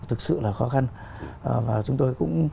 thực sự là khó khăn và chúng tôi